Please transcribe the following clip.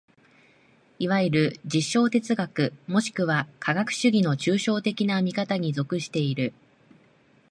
いわゆる実証哲学もしくは科学主義の抽象的な見方に属している。